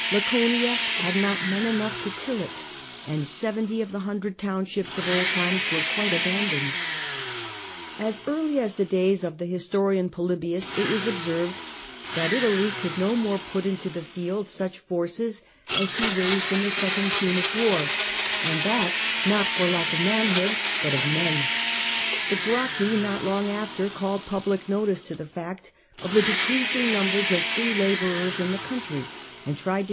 Laconia had not men enough to till it, and seventy of the hundred townships of old times were quite abandoned. As early as the days of the historian Polybius it was observed that Italy could no more put into the field Depopulation of Italy and Greece. 201 such forces as she raised in the second Punic war, and that not for lack of manhood but of men, Polybius The Gracchi not long after called public notice to the fact of the decreasing numbers military of free labourers in the country, and tried to itaiy.